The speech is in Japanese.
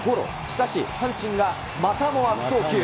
しかし、阪神がまたも悪送球。